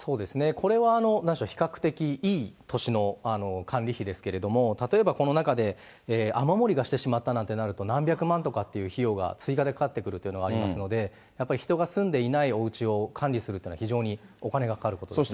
これはなにしろ、比較的、いい土地の管理費ですけれども、例えばこの中で、雨漏りがしてしまったなんてなると、何百万とかという費用が追加でかかってくるっていうのがありますので、やっぱり人が住んでいないおうちを管理するというのは、非常にお金がかかることなんです。